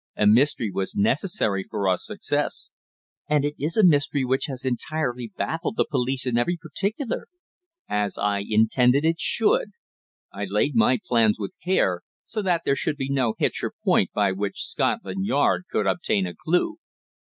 "A mystery was necessary for our success." "And it is a mystery which has entirely baffled the police in every particular." "As I intended it should. I laid my plans with care, so that there should be no hitch or point by which Scotland Yard could obtain a clue."